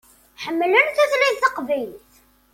Ḥemmlen tutlayt taqbaylit.